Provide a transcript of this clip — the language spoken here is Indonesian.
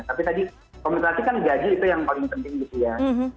tapi tadi komunikasi kan gaji itu yang paling penting gitu ya